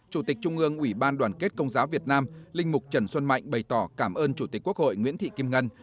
chủ tịch trung ương ủy ban đoàn kết công giáo việt nam linh mục trần xuân mạnh bày tỏ cảm ơn chủ tịch quốc hội nguyễn thị kim ngân